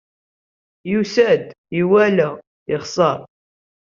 Yusa-d, iwala, yexṣer.